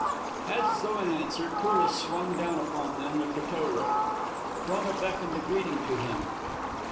As though in answer, Corliss swung down upon them with the tow rope. Frona beckoned a greeting to him.